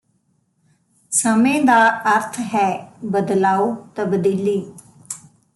ਸਮੇਂ ਦਾ ਅਰਥ ਹੈ ਬਦਲਾਓ ਤਬਦੀਲੀ